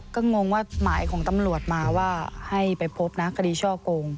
ก็งงว่าหมายของตำรวจมาว่าให้ไปพบนะคดีช่อโกง